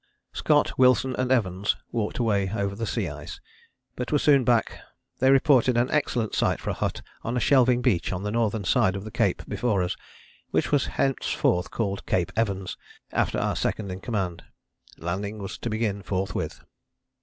" Scott, Wilson and Evans walked away over the sea ice, but were soon back. They reported an excellent site for a hut on a shelving beach on the northern side of the Cape before us, which was henceforward called Cape Evans, after our second in command. Landing was to begin forthwith.